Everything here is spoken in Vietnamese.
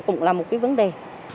cũng là một cái vấn đề